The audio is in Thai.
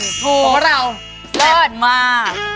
เยอะมาก